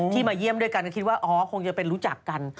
มาเยี่ยมด้วยกันก็คิดว่าอ๋อคงจะเป็นรู้จักกัน